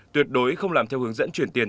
tuyệt đối không làm theo hướng dẫn chuyển tiền